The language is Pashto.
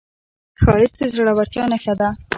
ښایست د زړورتیا نښه ده